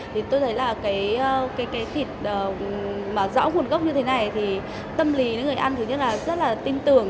thì tôi thấy là cái thịt mà rõ nguồn gốc như thế này thì tâm lý người ăn thứ nhất là rất là tin tưởng